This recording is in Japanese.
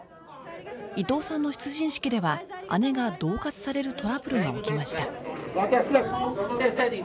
伊藤さんの出陣式では姉が恫喝されるトラブルが起きました